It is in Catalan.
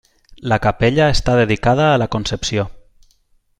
La capella està dedicada a la Concepció.